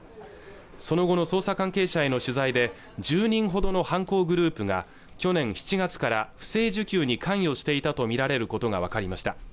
その後の捜査関係者への取材で１０人ほどの犯行グループが去年７月から不正受給に関与していたと見られることが分かりました